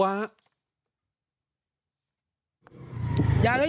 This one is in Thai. ยายจะไปที่ไหนต่อ